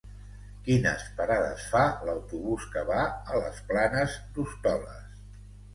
Quines parades fa l'autobús que va a les Planes d'Hostoles?